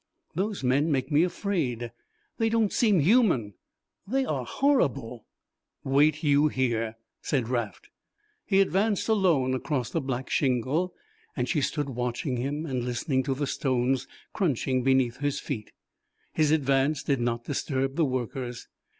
"Those men make me afraid, they don't seem human they are horrible." "Wait you here," said Raft. He advanced alone across the black shingle and she stood watching him and listening to the stones crunching beneath his feet. His advance did not disturb the workers.